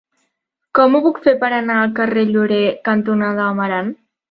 Com ho puc fer per anar al carrer Llorer cantonada Amarant?